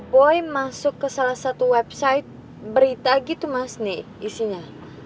boy masuk ke salah satu website berita gitu mas nih isinya